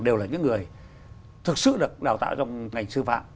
đều là những người thực sự được đào tạo trong ngành sư phạm